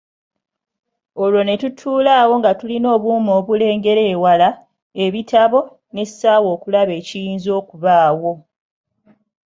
Olwo ne tutuula awo nga tulina obuuma obulengera ewala, ebitabo, n’essaawa okulaba ekiyinza okubaawo.